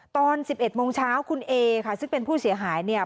ตอน๑๑โมงเช้าคุณเอค่ะซึ่งเป็นผู้เสียหายเนี่ย